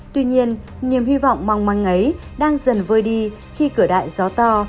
tuy nhiên niềm hy vọng mong măng ấy đang dần vơi đi khi cửa đại gió to